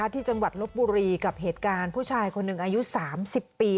ที่จังหวัดลบบุรีกับเหตุการณ์ผู้ชายคนหนึ่งอายุ๓๐ปี